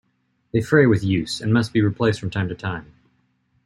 They fray with use, and must be replaced from time to time.